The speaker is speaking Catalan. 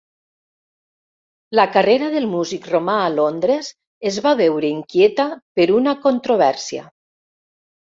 La carrera del músic romà a Londres es va veure inquieta per una controvèrsia.